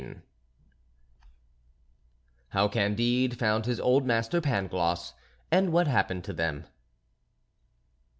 IV HOW CANDIDE FOUND HIS OLD MASTER PANGLOSS, AND WHAT HAPPENED TO THEM.